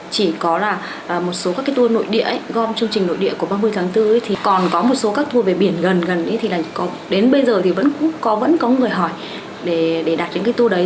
chỉ có là một số các tour nội địa gom chương trình nội địa của ba mươi tháng bốn còn có một số các tour về biển gần gần thì đến bây giờ vẫn có người hỏi để đặt những tour đấy